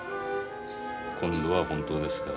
今度は本当ですから。